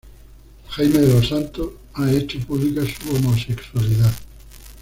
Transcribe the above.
Jaime de los Santos ha hecho pública su homosexualidad.